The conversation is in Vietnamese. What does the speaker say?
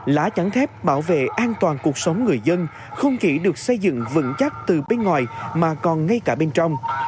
lá chắn thép bảo vệ an toàn cuộc sống người dân không chỉ được xây dựng vững chắc từ bên ngoài mà còn ngay cả bên trong